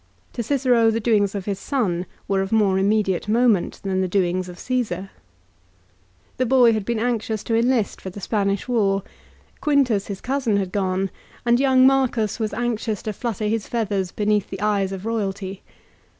To Cicero the doings of his son were of more immediate moment than the doings 'of Csesar. The boy had been anxious to enlist for the Spanish war. Quintus, his cousin, had gone, and young Marcus was anxious to flutter his feathers beneath the eyes of royalty.